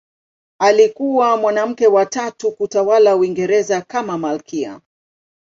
Alikuwa mwanamke wa tatu kutawala Uingereza kama malkia.